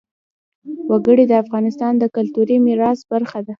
وګړي د افغانستان د کلتوري میراث برخه ده.